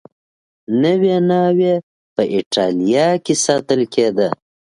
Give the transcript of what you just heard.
نوې ناوې په اېټالیا کې ساتل کېده